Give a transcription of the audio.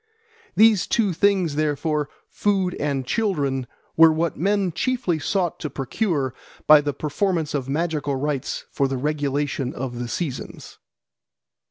These two things, therefore, food and children, were what men chiefly sought to procure by the performance of magical rites for the regulation of the seasons.